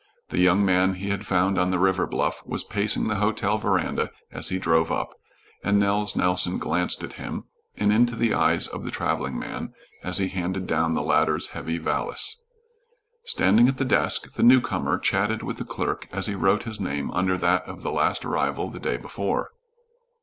The young man he had found on the river bluff was pacing the hotel veranda as he drove up, and Nels Nelson glanced at him, and into the eyes of the traveling man, as he handed down the latter's heavy valise. Standing at the desk, the newcomer chatted with the clerk as he wrote his name under that of the last arrival the day before.